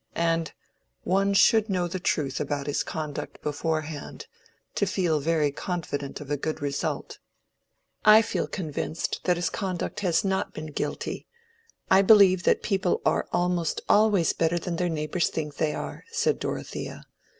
And—one should know the truth about his conduct beforehand, to feel very confident of a good result." "I feel convinced that his conduct has not been guilty: I believe that people are almost always better than their neighbors think they are," said Dorothea.